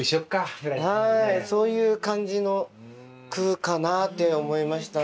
そういう感じの句かなって思いました。